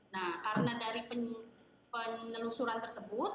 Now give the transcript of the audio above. nah karena dari penelusuran tersebut